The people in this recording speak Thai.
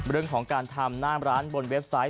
เรื่องของการทำหน้าร้านบนเว็บไซต์